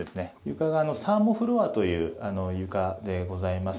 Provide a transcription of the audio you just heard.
床がサーモフロアという床でございます。